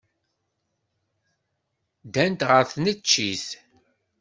Ddant ɣer tneččit.